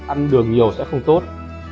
ăn đường nhiều sẽ không tốt